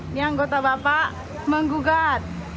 ini anggota bapak menggugat